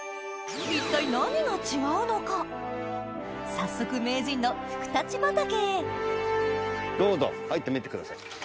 早速名人のふくたち畑へどうぞ入ってみてください。